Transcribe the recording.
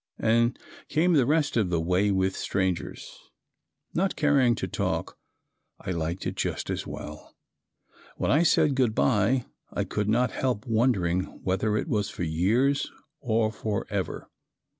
and came the rest of the way with strangers. Not caring to talk I liked it just as well. When I said good bye I could not help wondering whether it was for years, or forever.